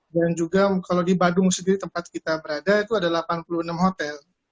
dan juga kalau di badung sendiri tempat kita berada itu ada delapan puluh enam hotel